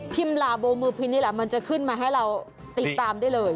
หลาโบมือพินนี่แหละมันจะขึ้นมาให้เราติดตามได้เลย